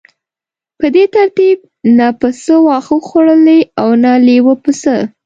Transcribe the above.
په دې ترتیب نه پسه واښه خوړلی او نه لیوه پسه.